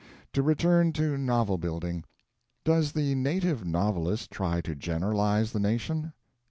To return to novel building. Does the native novelist try to generalize the nation?